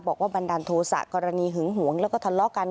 บันดาลโทษะกรณีหึงหวงแล้วก็ทะเลาะกัน